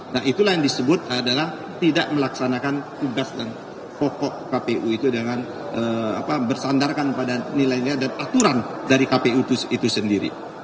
nah itulah yang disebut adalah tidak melaksanakan tugas dan pokok kpu itu dengan bersandarkan pada nilai nilai dan aturan dari kpu itu sendiri